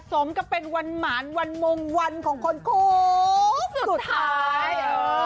สมกับเป็นวันหมานวันมงวันของคนคุกสุดท้าย